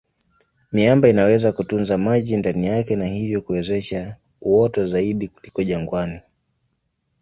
Miamba inaweza kutunza maji ndani yake na hivyo kuwezesha uoto zaidi kuliko jangwani.